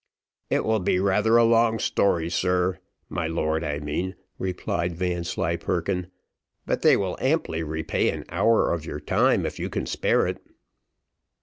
"It will be rather a long story, sir my lord! I mean," replied Vanslyperken; "but they will amply repay an hour of your time, if you can spare it."